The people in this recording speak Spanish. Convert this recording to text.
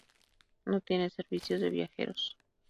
No tiene servicios de viajeros.